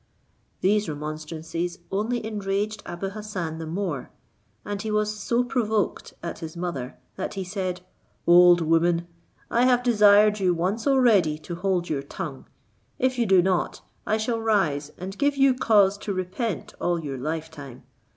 '" These remonstrances only enraged Abou Hassan the more; and he was so provoked at his mother, that he said, "Old woman, I have desired you once already to hold your tongue. If you do not, I shall rise and give you cause to repent all your lifetime.